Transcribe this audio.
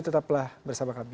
tetaplah bersama kami